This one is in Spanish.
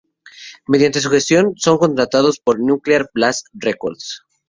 Mediante su gestión son contratados por Nuclear Blast Records.